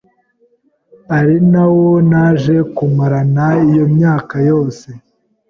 ari na wo naje kumarana iyo myaka yose